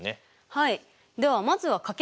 はい。